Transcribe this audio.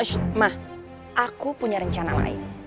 shh ma aku punya rencana lain